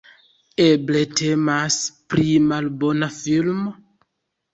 Eble temas pri malbona filmo?